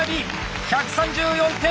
１３４点。